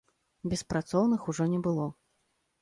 Беспрацоўных ужо не было.